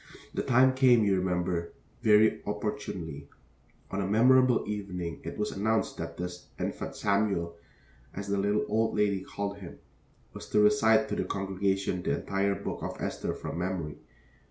The time came, you remember, very opportunely. On a memorable evening it was announced that this Infant Samuel, as the little old lady called him, was to recite to the congregation the entire Book of Esther from memory.